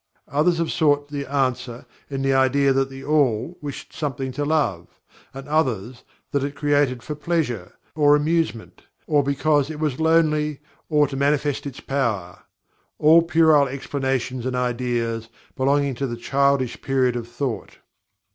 Others have sought the answer in the idea that THE ALL "wished something to love" and others that it created for pleasure, or amusement; or because it "was lonely" or to manifest its power; all puerile explanations and ideas, belonging to the childish period of thought.